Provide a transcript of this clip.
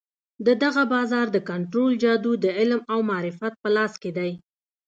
د دغه بازار د کنترول جادو د علم او معرفت په لاس کې دی.